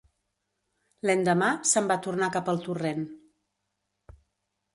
L'endemà se'n va tornar cap al torrent